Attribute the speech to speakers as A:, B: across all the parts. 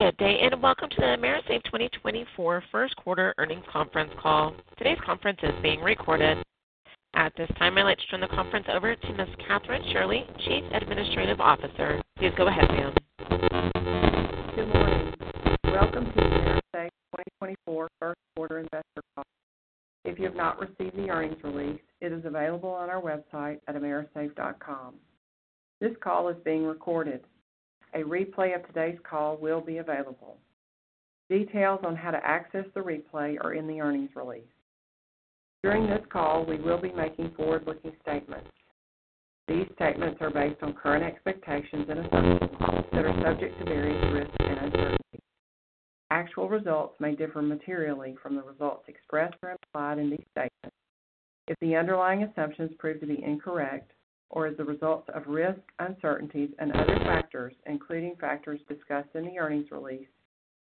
A: `Good day, and welcome to the AMERISAFE 2024 First Quarter Earnings Conference Call. Today's conference is being recorded. At this time, I'd like to turn the conference over to Ms. Kathryn Shirley, Chief Administrative Officer. Please go ahead, ma'am.
B: Good morning. Welcome to the AMERISAFE 2024 First Quarter Investor Call. If you have not received the earnings release, it is available on our website at amerisafe.com. This call is being recorded. A replay of today's call will be available. Details on how to access the replay are in the earnings release. During this call, we will be making forward-looking statements. These statements are based on current expectations and assumptions that are subject to various risks and uncertainties. Actual results may differ materially from the results expressed or implied in these statements. If the underlying assumptions prove to be incorrect, or if the results of risks, uncertainties, and other factors, including factors discussed in the earnings release,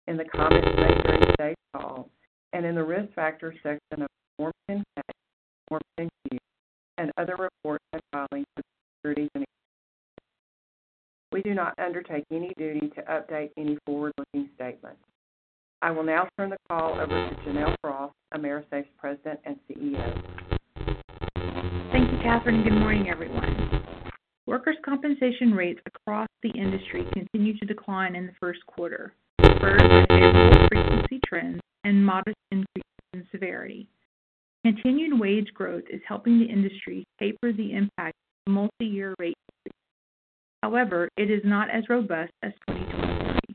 B: in the comments made during today's call, and in the risk factors section of Form 10-K, Form 10-Q, and other reports and filings with Securities and Exchange, we do not undertake any duty to update any forward-looking statements. I will now turn the call over to Janelle Frost, AMERISAFE's President and CEO.
C: Thank you, Kathryn. Good morning, everyone. Workers' compensation rates across the industry continue to decline in the first quarter, refers to higher frequency trends and modest increases in severity. Continued wage growth is helping the industry taper the impact of multi-year rate increases. However, it is not as robust as 2023.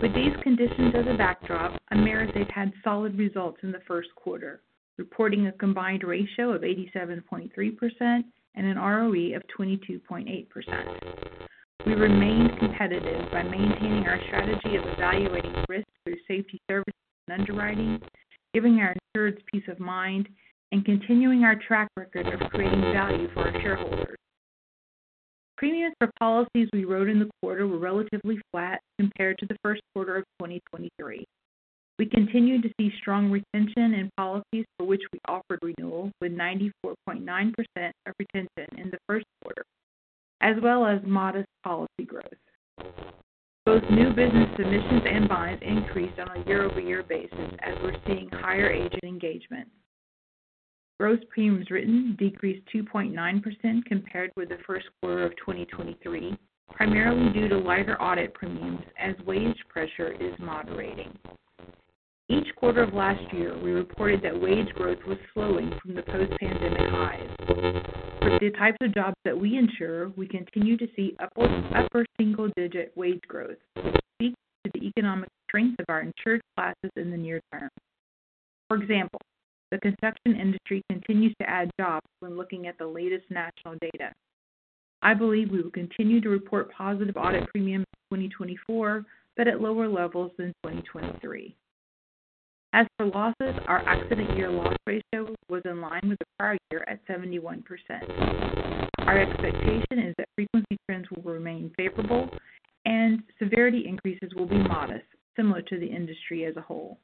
C: With these conditions as a backdrop, AMERISAFE had solid results in the first quarter, reporting a combined ratio of 87.3% and an ROE of 22.8%. We remained competitive by maintaining our strategy of evaluating risk through safety services and underwriting, giving our insureds peace of mind, and continuing our track record of creating value for our shareholders. Premiums for policies we wrote in the quarter were relatively flat compared to the first quarter of 2023. We continued to see strong retention in policies for which we offered renewal, with 94.9% of retention in the first quarter, as well as modest policy growth. Both new business submissions and bindings increased on a year-over-year basis as we're seeing higher agent engagement. Gross premiums written decreased 2.9% compared with the first quarter of 2023, primarily due to lighter audit premiums as wage pressure is moderating. Each quarter of last year, we reported that wage growth was slowing from the post-pandemic highs. For the types of jobs that we insure, we continue to see upper single-digit wage growth, which speaks to the economic strength of our insured classes in the near term. For example, the construction industry continues to add jobs when looking at the latest national data. I believe we will continue to report positive audit premiums in 2024, but at lower levels than 2023. As for losses, our accident-year loss ratio was in line with the prior year at 71%. Our expectation is that frequency trends will remain favorable, and severity increases will be modest, similar to the industry as a whole.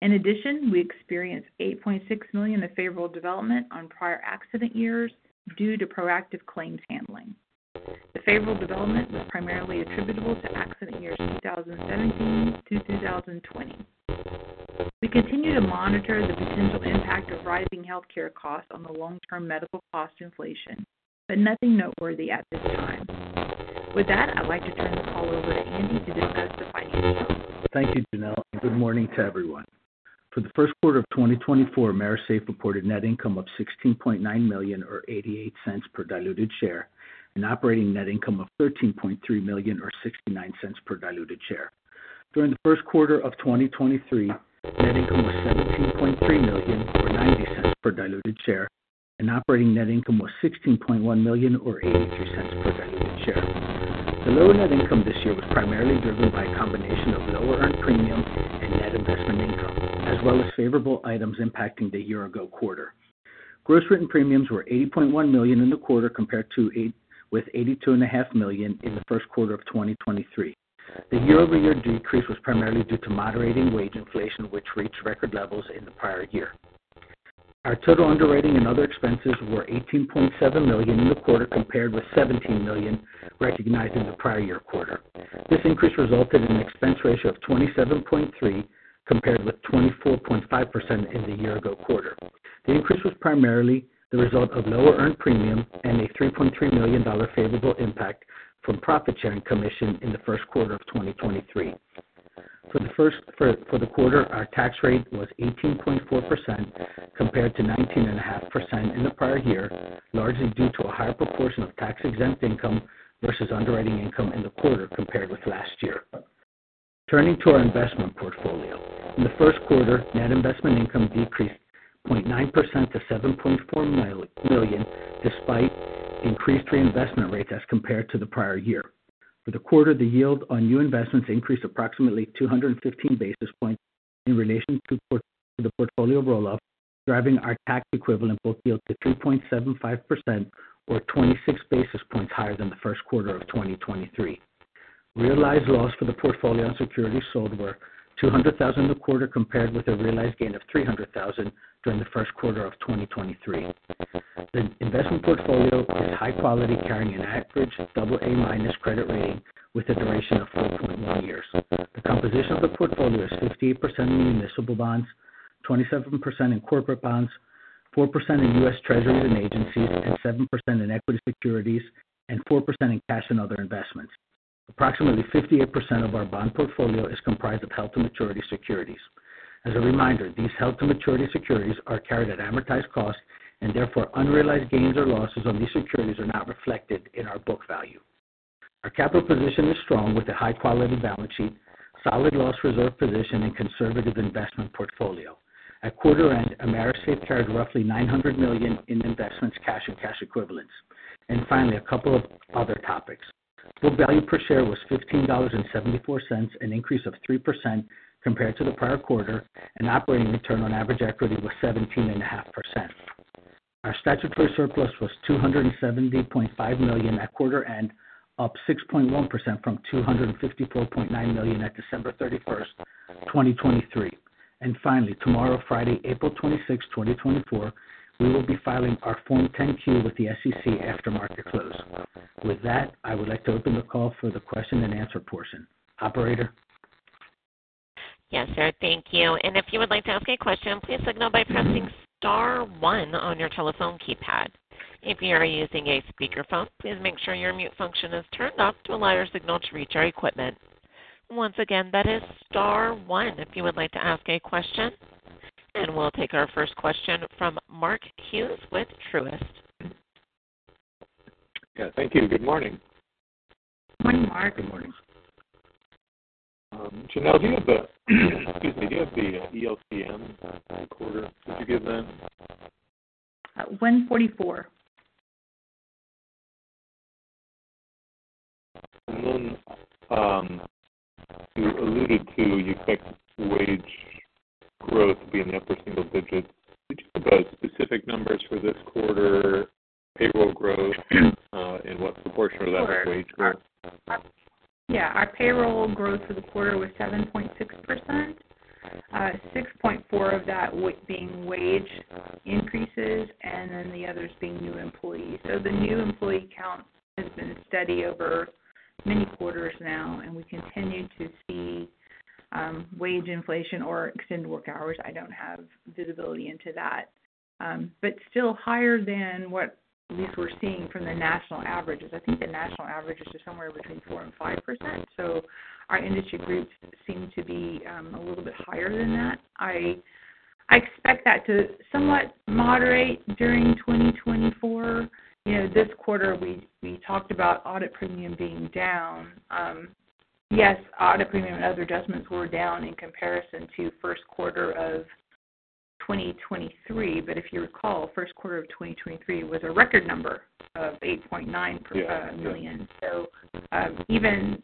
C: In addition, we experienced $8.6 million of favorable development on prior accident years due to proactive claims handling. The favorable development was primarily attributable to accident years 2017 through 2020. We continue to monitor the potential impact of rising healthcare costs on the long-term medical cost inflation, but nothing noteworthy at this time. With that, I'd like to turn the call over to Andy to discuss the financials.
D: Thank you, Janelle. Good morning to everyone. For the first quarter of 2024, AMERISAFE reported net income of $16.9 million or $0.88 per diluted share, and operating net income of $13.3 million or $0.69 per diluted share. During the first quarter of 2023, net income was $17.3 million or $0.90 per diluted share, and operating net income was $16.1 million or $0.83 per diluted share. The lower net income this year was primarily driven by a combination of lower earned premium and net investment income, as well as favorable items impacting the year-ago quarter. Gross written premiums were $80.1 million in the quarter compared with $82.5 million in the first quarter of 2023. The year-over-year decrease was primarily due to moderating wage inflation, which reached record levels in the prior year. Our total underwriting and other expenses were $18.7 million in the quarter compared with $17 million recognized in the prior year quarter. This increase resulted in an expense ratio of 27.3% compared with 24.5% in the year-ago quarter. The increase was primarily the result of lower earned premium and a $3.3 million favorable impact from profit-sharing commission in the first quarter of 2023. For the quarter, our tax rate was 18.4% compared to 19.5% in the prior year, largely due to a higher proportion of tax-exempt income versus underwriting income in the quarter compared with last year. Turning to our investment portfolio, in the first quarter, net investment income decreased 0.9% to $7.4 million despite increased reinvestment rates as compared to the prior year. For the quarter, the yield on new investments increased approximately 215 basis points in relation to the portfolio roll-off, driving our tax equivalent book yield to 3.75% or 26 basis points higher than the first quarter of 2023. Realized loss for the portfolio on securities sold were $200,000 a quarter compared with a realized gain of $300,000 during the first quarter of 2023. The investment portfolio is high-quality, carrying an average AA- credit rating with a duration of 4.1 years. The composition of the portfolio is 58% in municipal bonds, 27% in corporate bonds, 4% in U.S. Treasuries and agencies, and 7% in equity securities, and 4% in cash and other investments. Approximately 58% of our bond portfolio is comprised of held-to-maturity securities. As a reminder, these held-to-maturity securities are carried at amortized cost, and therefore unrealized gains or losses on these securities are not reflected in our book value. Our capital position is strong with a high-quality balance sheet, solid loss-reserve position, and conservative investment portfolio. At quarter end, AMERISAFE carried roughly $900 million in investments, cash, and cash equivalents. And finally, a couple of other topics. Book value per share was $15.74, an increase of 3% compared to the prior quarter, and operating return on average equity was 17.5%. Our statutory surplus was $270.5 million at quarter end, up 6.1% from $254.9 million at December 31st, 2023. And finally, tomorrow, Friday, April 26th, 2024, we will be filing our Form 10-Q with the SEC after market close. With that, I would like to open the call for the question-and-answer portion. Operator?
A: Yes, sir. Thank you. And if you would like to ask a question, please signal by pressing star one on your telephone keypad. If you are using a speakerphone, please make sure your mute function is turned off to allow your signal to reach our equipment. Once again, that is star one if you would like to ask a question. And we'll take our first question from Mark Hughes with Truist.
E: Yeah. Thank you. Good morning.
C: Morning, Mark.
E: Good morning. Janelle, excuse me. Do you have the ELCM reported? Did you give that?
C: 1.44.
E: Then you alluded to you expect wage growth to be in the upper single digits. Did you give us specific numbers for this quarter, payroll growth, and what proportion of that was wage growth?
C: Yeah. Our payroll growth for the quarter was 7.6%, 6.4% of that being wage increases and then the others being new employees. So the new employee count has been steady over many quarters now, and we continue to see wage inflation or extended work hours. I don't have visibility into that. But still higher than what we were seeing from the national averages. I think the national average is just somewhere between 4% and 5%. So our industry groups seem to be a little bit higher than that. I expect that to somewhat moderate during 2024. This quarter, we talked about audit premium being down. Yes, audit premium and other adjustments were down in comparison to first quarter of 2023. But if you recall, first quarter of 2023 was a record number of $8.9 million. So even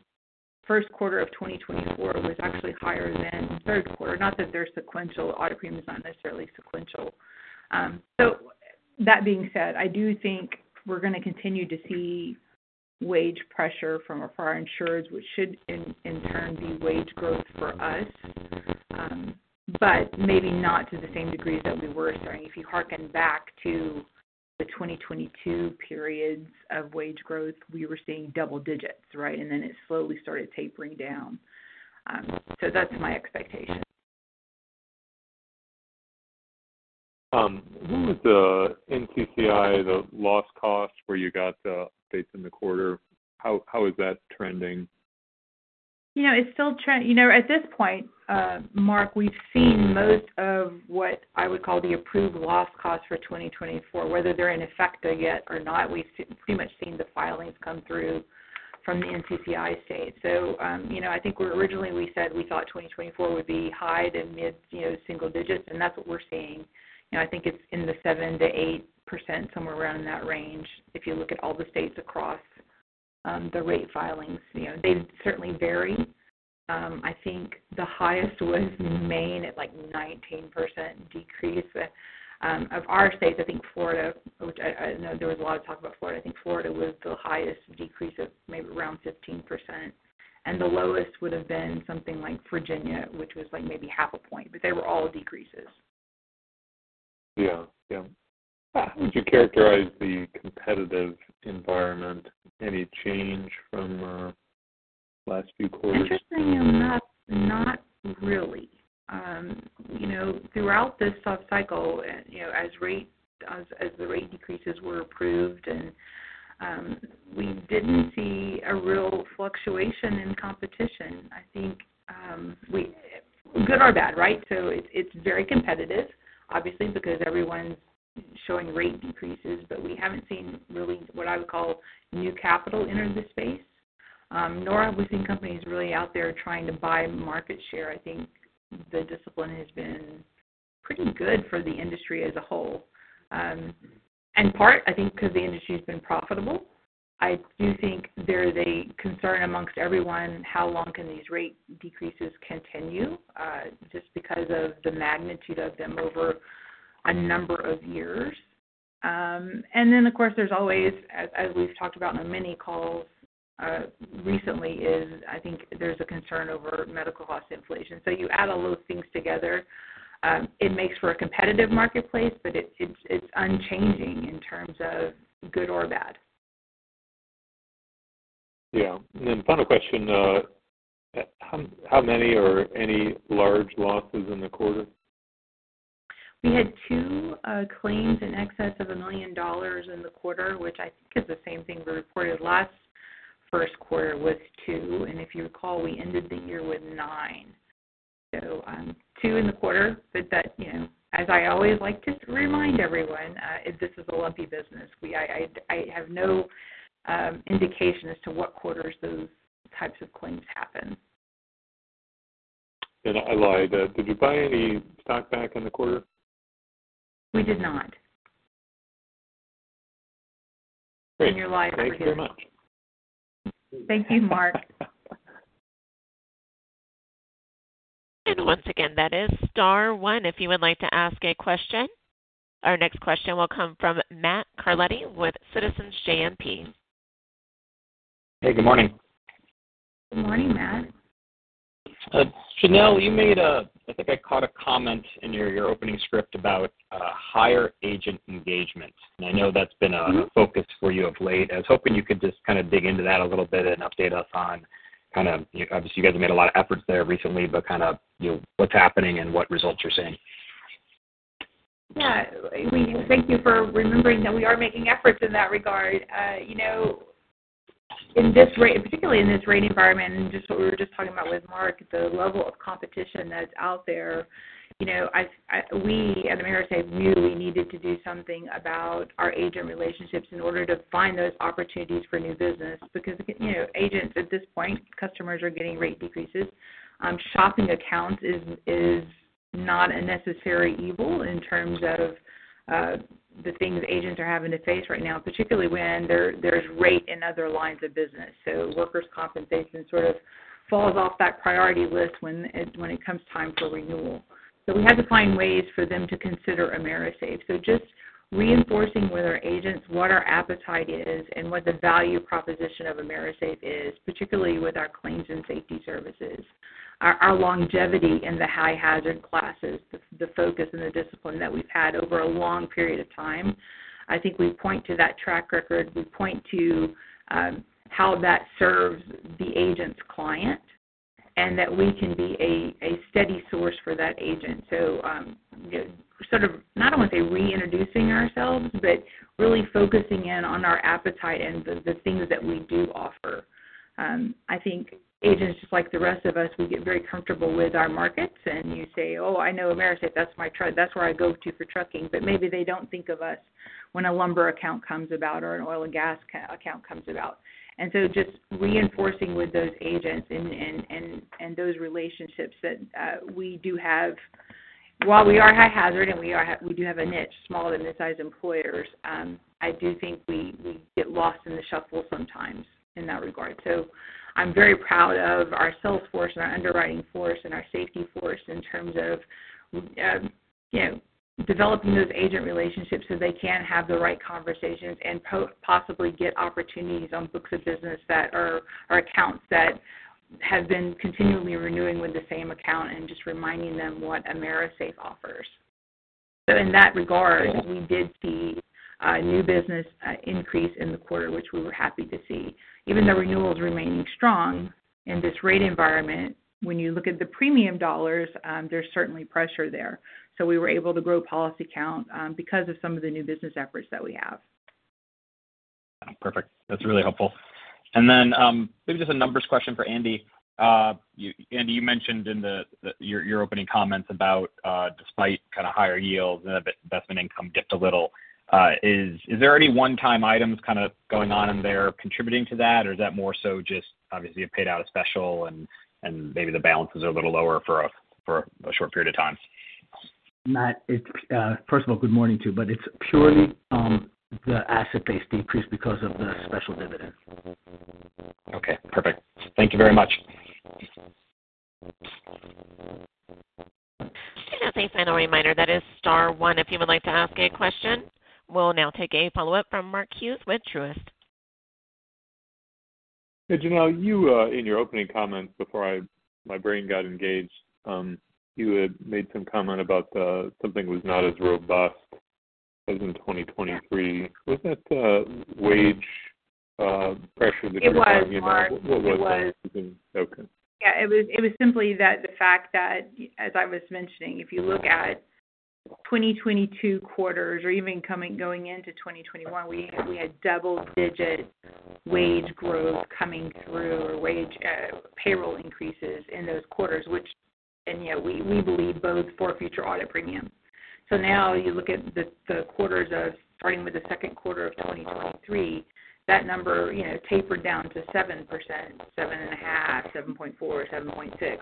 C: first quarter of 2024 was actually higher than third quarter. Not that they're sequential. Audit premium is not necessarily sequential. So that being said, I do think we're going to continue to see wage pressure from our insureds, which should, in turn, be wage growth for us, but maybe not to the same degrees that we were starting. If you harken back to the 2022 periods of wage growth, we were seeing double digits, right? And then it slowly started tapering down. So that's my expectation.
E: What was the NCCI, the loss cost, where you got the updates in the quarter? How is that trending?
C: It's still trending. At this point, Mark, we've seen most of what I would call the approved loss cost for 2024. Whether they're in effect yet or not, we've pretty much seen the filings come through from the NCCI state. So I think originally we said we thought 2024 would be high to mid-single digits, and that's what we're seeing. I think it's in the 7%-8%, somewhere around in that range if you look at all the states across the rate filings. They certainly vary. I think the highest was Maine at like 19% decrease. Of our states, I think Florida I know there was a lot of talk about Florida. I think Florida was the highest decrease of maybe around 15%. And the lowest would have been something like Virginia, which was maybe half a point. But they were all decreases.
E: Yeah. Yeah. How would you characterize the competitive environment? Any change from last few quarters?
C: Interestingly enough, not really. Throughout this soft cycle, as the rate decreases were approved, we didn't see a real fluctuation in competition. I think good or bad, right? So it's very competitive, obviously, because everyone's showing rate decreases. But we haven't seen really what I would call new capital enter the space, nor have we seen companies really out there trying to buy market share. I think the discipline has been pretty good for the industry as a whole. And part, I think, because the industry has been profitable. I do think there's a concern amongst everyone how long can these rate decreases continue just because of the magnitude of them over a number of years. And then, of course, there's always, as we've talked about in many calls recently, is I think there's a concern over medical cost inflation. So you add all those things together. It makes for a competitive marketplace, but it's unchanging in terms of good or bad.
E: Yeah. Final question. How many or any large losses in the quarter?
C: We had two claims in excess of $1 million in the quarter, which I think is the same thing we reported last first quarter was two. If you recall, we ended the year with nine. Two in the quarter. But as I always like to remind everyone, this is a lumpy business. I have no indication as to what quarters those types of claims happen.
E: I lied. Did you buy any stock back in the quarter?
C: We did not. End your lie. Over here.
E: Great. Thank you very much.
C: Thank you, Mark.
A: Once again, that is star one if you would like to ask a question. Our next question will come from Matt Carletti with Citizens JMP.
F: Hey. Good morning.
C: Good morning, Matt.
F: Janelle, you made. I think I caught a comment in your opening script about higher agent engagement. I know that's been a focus for you of late. I was hoping you could just kind of dig into that a little bit and update us on kind of obviously, you guys have made a lot of efforts there recently, but kind of what's happening and what results you're seeing.
C: Yeah. Thank you for remembering that we are making efforts in that regard. Particularly in this rate environment and just what we were just talking about with Mark, the level of competition that's out there, we at AMERISAFE knew we needed to do something about our agent relationships in order to find those opportunities for new business. Because agents, at this point, customers are getting rate decreases. Shopping accounts is not a necessary evil in terms of the things agents are having to face right now, particularly when there's rate in other lines of business. So workers' compensation sort of falls off that priority list when it comes time for renewal. So we had to find ways for them to consider AMERISAFE. So just reinforcing with our agents what our appetite is and what the value proposition of AMERISAFE is, particularly with our claims and safety services, our longevity in the high-hazard classes, the focus and the discipline that we've had over a long period of time. I think we point to that track record. We point to how that serves the agent's client and that we can be a steady source for that agent. So sort of not only reintroducing ourselves, but really focusing in on our appetite and the things that we do offer. I think agents, just like the rest of us, we get very comfortable with our markets. And you say, "Oh, I know AMERISAFE. That's where I go to for trucking." But maybe they don't think of us when a lumber account comes about or an oil and gas account comes about. And so just reinforcing with those agents and those relationships that we do have while we are high-hazard and we do have a niche, small to mid-sized employers, I do think we get lost in the shuffle sometimes in that regard. So I'm very proud of our sales force and our underwriting force and our safety force in terms of developing those agent relationships so they can have the right conversations and possibly get opportunities on books of business or accounts that have been continually renewing with the same account and just reminding them what AMERISAFE offers. So in that regard, we did see a new business increase in the quarter, which we were happy to see. Even though renewal is remaining strong in this rate environment, when you look at the premium dollars, there's certainly pressure there. So we were able to grow policy count because of some of the new business efforts that we have.
F: Perfect. That's really helpful. Then maybe just a numbers question for Andy. Andy, you mentioned in your opening comments about despite kind of higher yields and that investment income dipped a little. Is there any one-time items kind of going on in there contributing to that, or is that more so just obviously you paid out a special and maybe the balances are a little lower for a short period of time?
D: Matt, first of all, good morning too. It's purely the asset-based decrease because of the special dividend.
F: Okay. Perfect. Thank you very much.
A: As a final reminder, that is star one if you would like to ask a question. We'll now take a follow-up from Mark Hughes with Truist.
E: Hey, Janelle, you in your opening comments before my brain got engaged, you had made some comment about something was not as robust as in 2023. Was that wage pressure that you were talking about?
C: It was. It was.
E: What was it?
C: It was.
E: Okay.
C: Yeah. It was simply the fact that, as I was mentioning, if you look at 2022 quarters or even going into 2021, we had double-digit wage growth coming through or payroll increases in those quarters, which and we believe both for future audit premiums. So now you look at the quarters of starting with the second quarter of 2023, that number tapered down to 7%, 7.5%, 7.4%, 7.6%.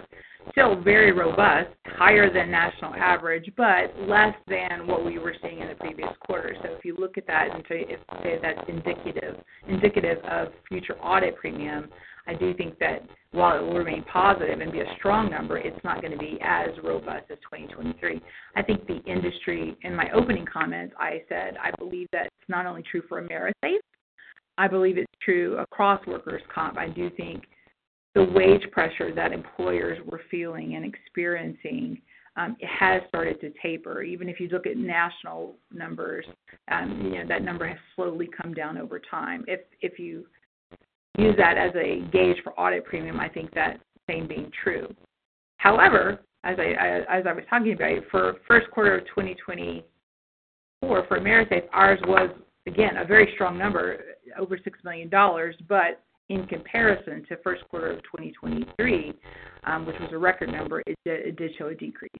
C: Still very robust, higher than national average, but less than what we were seeing in the previous quarter. So if you look at that and say that's indicative of future audit premium, I do think that while it will remain positive and be a strong number, it's not going to be as robust as 2023. I think the industry in my opening comments, I said, I believe that's not only true for AMERISAFE. I believe it's true across workers' comp. I do think the wage pressure that employers were feeling and experiencing, it has started to taper. Even if you look at national numbers, that number has slowly come down over time. If you use that as a gauge for audit premium, I think that same being true. However, as I was talking about you, for first quarter of 2024, for AMERISAFE, ours was, again, a very strong number, over $6 million. But in comparison to first quarter of 2023, which was a record number, it did show a decrease.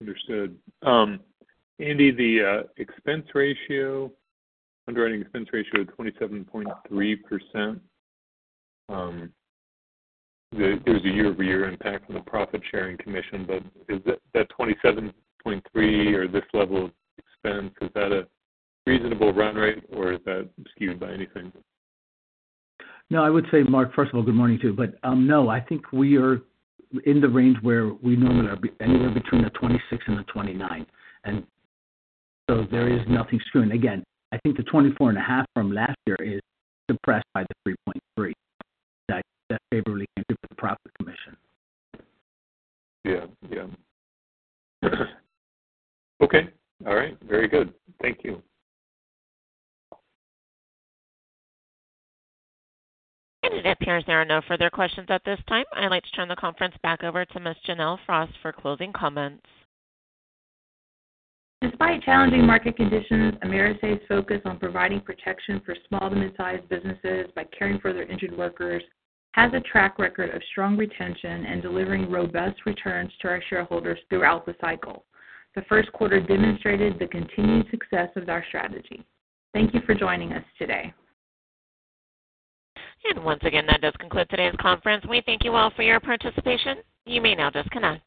E: Understood. Andy, the underwriting expense ratio of 27.3%. There's a year-over-year impact on the profit-sharing commission. But that 27.3 or this level of expense, is that a reasonable run rate, or is that skewed by anything?
D: No, I would say, Mark, first of all, good morning too. But no, I think we are in the range where we normally are anywhere between 26 and 29. And so there is nothing skewing. Again, I think the 24.5% from last year is suppressed by the 3.3%. That favorably contributed to the profit commission.
E: Yeah. Yeah. Okay. All right. Very good. Thank you.
A: It appears there are no further questions at this time. I'd like to turn the conference back over to Ms. Janelle Frost for closing comments.
C: Despite challenging market conditions, AMERISAFE's focus on providing protection for small to mid-sized businesses by caring for their injured workers has a track record of strong retention and delivering robust returns to our shareholders throughout the cycle. The first quarter demonstrated the continued success of our strategy. Thank you for joining us today.
A: Once again, that does conclude today's conference. We thank you all for your participation. You may now disconnect.